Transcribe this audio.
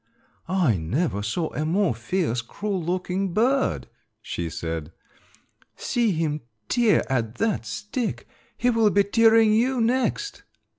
"I never saw a more fierce, cruel looking bird," she said. "See him tear at that stick! He will be tearing you next."